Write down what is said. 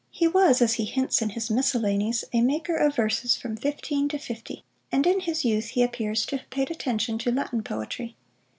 He was, as he hints in his Miscellanies, a maker of verses from fifteen to fifty, and in his youth he appears to have paid attention to Latin poetry.